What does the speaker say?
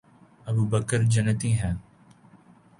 ابوبکر جنتی ہیں